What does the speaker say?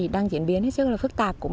đang diễn biến rất phức tạp